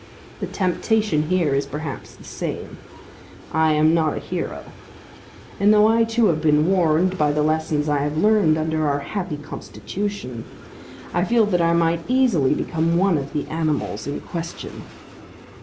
The temptation here is perhaps the same. I am not a hero; and, though I too have been warned by the lessons I have learned under our happy Constitution, I feel that I might easily become one of the animals in question.